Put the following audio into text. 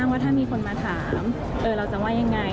ว่าถ้ามีคนมาถามเราจะว่ายังไง